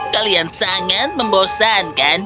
kalian sangat membosankan